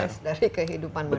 proses dari kehidupan manusia